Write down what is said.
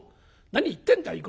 『何言ってんだい